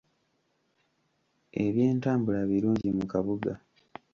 Ebyentambula birungi mu kabuga.